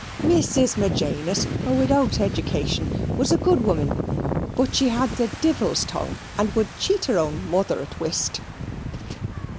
Mrs. Magenis, though without education, was a good woman, but she had the divvle's tongue, and would cheat her own mother at whist.